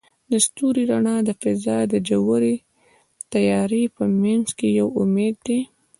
د ستوري رڼا د فضاء د ژورې تیارې په منځ کې یو امید دی.